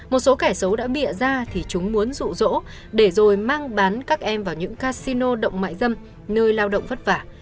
một số kẻ xấu đã bịa ra thì chúng muốn rụ rỗ để rồi mang bán các em vào những casino động mại dâm nơi lao động vất vả